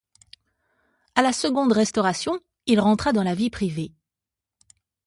À la seconde Restauration, il rentra dans la vie privée.